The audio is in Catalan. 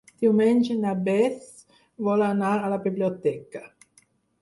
Diumenge na Beth vol anar a la biblioteca.